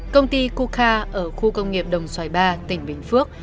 công ty kuka ở khu công nghiệp đồng xoài ba tỉnh bình phước